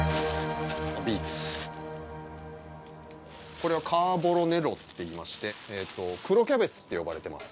これはカーボロネロっていいまして黒キャベツって呼ばれてます